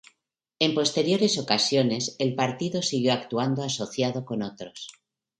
En posteriores ocasiones, el partido siguió actuando asociado con otros.